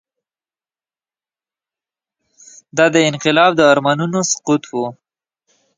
دا د انقلاب د ارمانونو سقوط و.